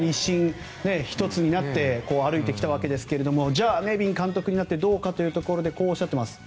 １つになって歩いてきたわけですがネビン監督になってどうかというところでこうおっしゃっています。